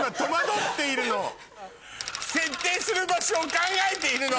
設定する場所を考えているの！